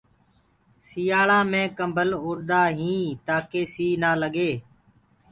سيآݪآ مي ڪمبل اُڏآ هينٚ تآڪي سي نآ لگي۔